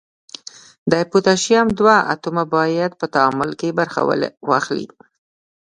د پوتاشیم دوه اتومه باید په تعامل کې برخه واخلي.